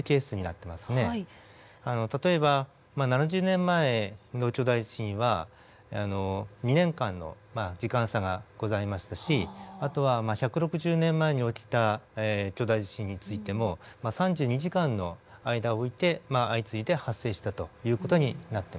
例えば７０年前の巨大地震は２年間の時間差がございましたしあとは１６０年前に起きた巨大地震についても３２時間の間を置いて相次いで発生したという事になってます。